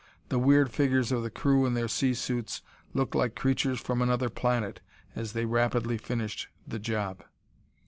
The weird figures of the crew in their sea suits looked like creatures from another planet as they rapidly finished the job.